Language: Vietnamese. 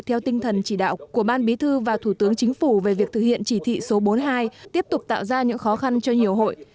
theo tinh thần chỉ đạo của ban bí thư và thủ tướng chính phủ về việc thực hiện chỉ thị số bốn mươi hai tiếp tục tạo ra những khó khăn cho nhiều hội